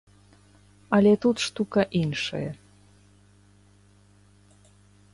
Але тут штука іншая.